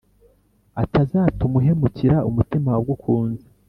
atazatuma uhemukira umutima wagukunze